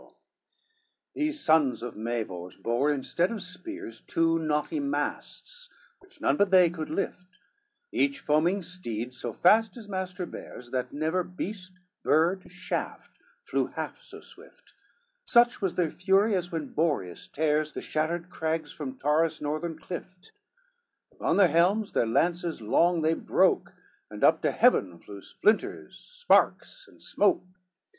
XL These sons of Mavors bore, instead of spears, Two knotty masts, which none but they could lift, Each foaming steed so fast his master bears, That never beast, bird, shaft flew half so swift; Such was their fury, as when Boreas tears The shattered crags from Taurus' northern clift, Upon their helms their lances long they broke, And up to heaven flew splinters, sparks and smoke.